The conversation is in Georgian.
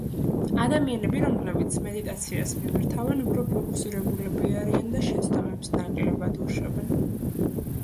ადამიანები, რომლებიც მედიტაციას მიმართავენ, უფრო ფოკუსირებულები არიან და შეცდომებს ნაკლებად უშვებენ.